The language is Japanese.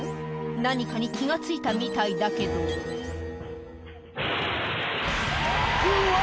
何かに気が付いたみたいだけどうわ！